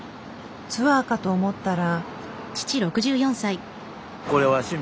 ツアーかと思ったら。